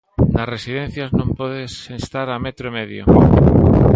Nas residencias non podes estar a metro e medio.